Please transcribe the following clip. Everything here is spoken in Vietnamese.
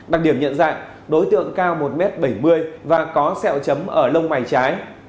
đặc điểm nhận dạng đối tượng cao một m bảy mươi và có sẹo chấm ở lông mày trái